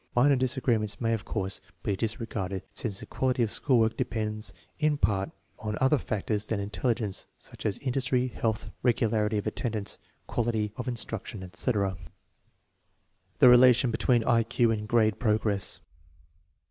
Minor disagree ments may, of course, be disregarded, since the quality of school work depends in part on other factors than intelli gence, such as industry, health, regularity of attendance, quality of instruction, etc. The relation between I Q and grade progress.